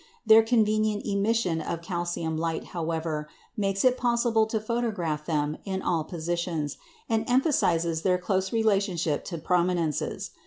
Their convenient emission of calcium light, however, makes it possible to photograph them in all positions, and emphasises their close relationship to prominences.